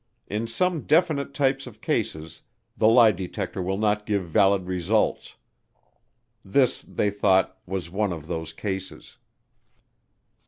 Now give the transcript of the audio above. In some definite types of cases the lie detector will not give valid results. This, they thought, was one of those cases.